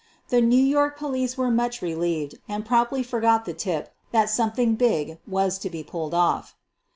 The New York police were much re lieved and promptly forgot the tip that " something big" was to be "pulled off."